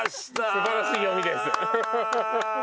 素晴らしい読みです。